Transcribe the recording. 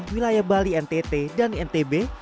wilayah bali ntt dan ntb